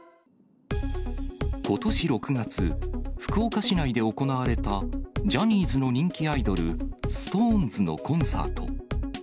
ことし６月、福岡市内で行われた、ジャニーズの人気アイドル、ＳｉｘＴＯＮＥＳのコンサート。